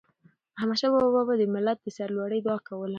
احمدشاه بابا به د ملت د سرلوړی دعا کوله.